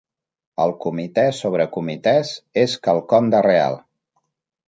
El comitè sobre comitès és quelcom de real.